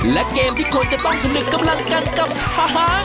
และเกมที่ควรจะต้องผนึกกำลังกันกับช้าง